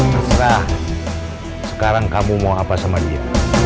terserah sekarang kamu mau apa sama dia